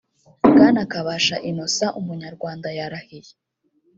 bwana kabasha innocent umunyarwanda yarahiye.